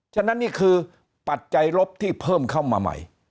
ฉะนั้นนี่คือปัจจัยลบที่เพิ่มเข้ามาใหม่